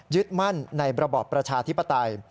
มั่นในระบอบประชาธิปไตย